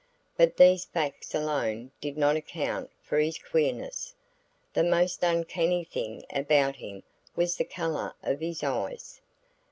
But these facts alone did not account for his queerness; the most uncanny thing about him was the color of his eyes.